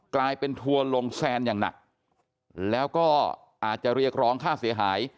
กลายเป็นทัวร์ลงแซนอย่างหนักแล้วก็อาจจะเรียกร้องค่าเสียหาย